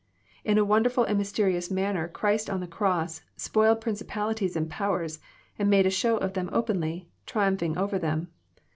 In a wonderfhl and mysteri ous manner Christ on the cross "spoiled principalities and powers, and made a show of them openly, triumphing over them."